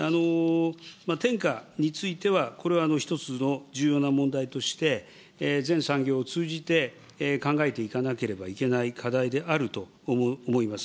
転嫁については、これは一つの重要な問題として、全産業を通じて考えていかなければいけない課題であると思います。